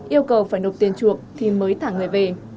yêu cầu phải nộp tiền chuộc thì mới thả người về